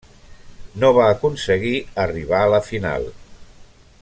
No va aconseguir arribar a la final.